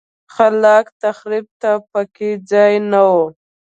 خلاق تخریب ته په کې ځای نه و.